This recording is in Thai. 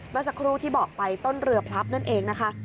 เมื่อสักครู่ที่บอกไปต้นเรือพลับนั่นเองนะคะ